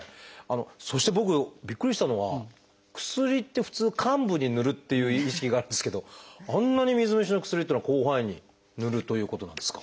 そして僕びっくりしたのは薬って普通患部にぬるっていう意識があるんですけどあんなに水虫の薬っていうのは広範囲にぬるということなんですか？